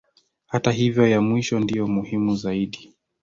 Hata hivyo ya mwisho ndiyo muhimu zaidi.